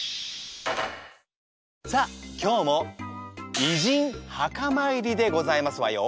さあ今日も偉人墓参りでございますわよ。